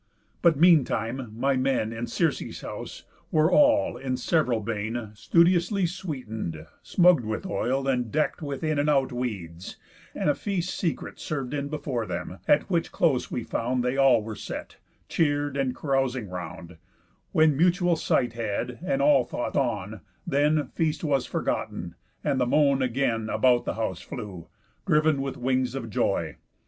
But mean time, my men, In Circe's house, were all, in sev'ral bain, Studiously sweeten'd, smug'd with oil, and deck'd With in and out weeds, and a feast secret Serv'd in before them; at which close we found They all were set, cheer'd, and carousing round, When mutual sight had, and all thought on, then Feast was forgotten, and the moan again About the house flew, driv'n with wings of joy.